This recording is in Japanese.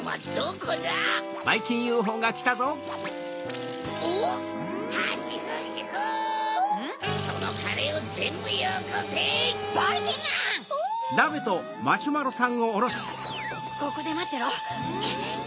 ここでまってろ。